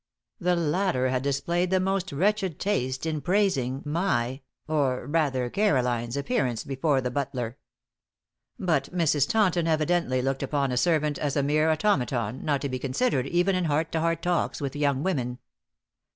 The latter had displayed the most wretched taste in praising my, or rather Caroline's, appearance before the butler. But Mrs. Taunton evidently looked upon a servant as a mere automaton, not to be considered even in heart to heart talks with young women.